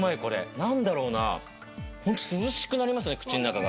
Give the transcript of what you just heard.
何だろうな、本当に涼しくなりますね、口の中が。